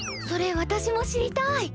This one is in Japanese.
それ私も知りたい。